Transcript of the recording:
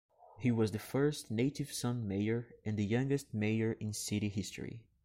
He was the first "native son" mayor and the youngest mayor in city history.